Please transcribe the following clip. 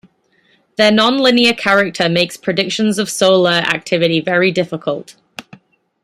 Their non-linear character makes predictions of solar activity very difficult.